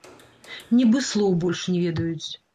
Нібы слоў больш не ведаюць.